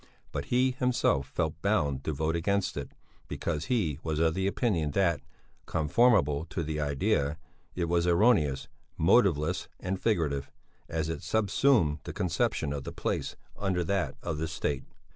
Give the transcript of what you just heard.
But he himself felt bound to vote against it, because he was of the opinion that, conformable to the idea, it was erroneous, motiveless and figurative, as it subsumed the conception of the place under that of the State.